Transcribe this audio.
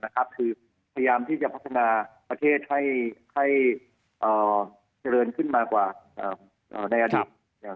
คือพยายามที่จะพัฒนาประเทศให้เจริญขึ้นมากว่าในอดีต